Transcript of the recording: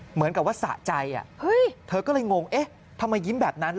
เหมือนกับว่าสะใจเธอก็เลยงงเอ๊ะทำไมยิ้มแบบนั้น